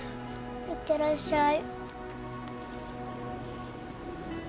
行ってらっしゃい。